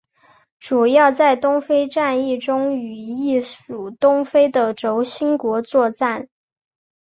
主要在东非战役中与意属东非的轴心国作战。